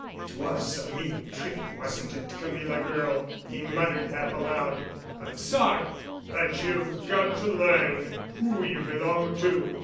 "It was a mean trick, wasn't it, Camilla girl?" he muttered, half aloud. "I'm sorry. But you've got to learn who you belong to.